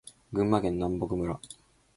群馬県南牧村